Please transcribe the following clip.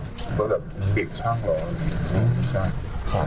ก็แบบเด็กช่างเหรอ